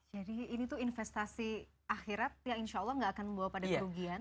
jadi ini tuh investasi akhirat yang insya allah gak akan membawa pada kerugian